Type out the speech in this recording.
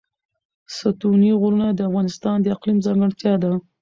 ستوني غرونه د افغانستان د اقلیم ځانګړتیا ده.